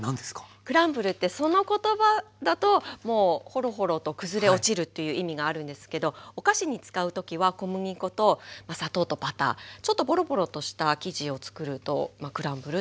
クランブルってその言葉だともうホロホロと崩れ落ちるっていう意味があるんですけどお菓子に使う時は小麦粉と砂糖とバターちょっとボロボロとした生地をつくるとクランブルっていう意味の生地になります。